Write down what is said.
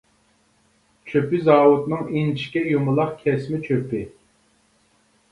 چۆپى زاۋۇتنىڭ ئىنچىكە يۇمىلاق كەسمە چۆپى.